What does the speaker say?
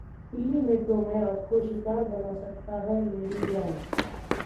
Delhi metro में आपको शिकार बना सकता है लेडी गैंग